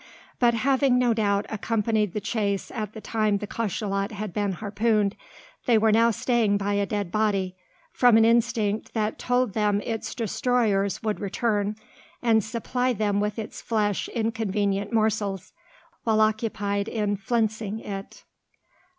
But having, no doubt, accompanied the chase at the time the cachalot had been harpooned, they were now staying by a dead body, from an instinct that told them its destroyers would return, and supply them with its flesh in convenient morsels, while occupied in flensing it.